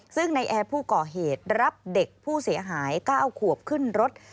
ซึ่งในแอร์ผู้ก่อเหตุรับเด็กผู้เสียหาย๙ขวบขึ้นรถ